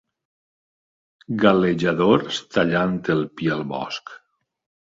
Galejadors tallant el pi al bosc.